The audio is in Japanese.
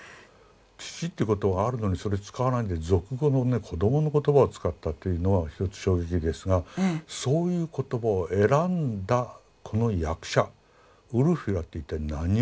父っていう言葉があるのにそれ使わないで俗語のね子どもの言葉を使ったというのはちょっと衝撃ですがそういう言葉を選んだこの訳者ウルフィラって一体何者なんだろう。